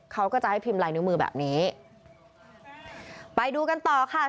เขาก็จะให้พิมพ์ลายนิ้วมือแบบนี้ไปดูกันต่อค่ะ